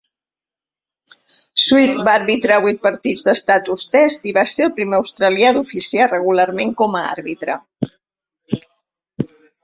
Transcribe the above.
Swift va arbitrar vuit partits d'estatus "test" i va ser el primer australià d'oficiar regularment com a arbitre.